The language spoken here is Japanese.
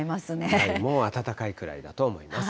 もう暖かいくらいだと思います。